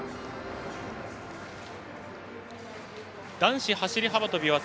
男子走り幅跳びは